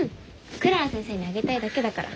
クララ先生にあげたいだけだから。